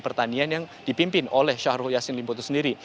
pertanian yang dipimpin oleh syahrul yassin limpo itu sendiri